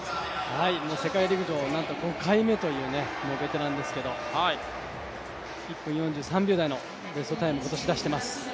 世界陸上なんと５回目というベテランですけど１分４３秒台のベストタイムを今年出しています。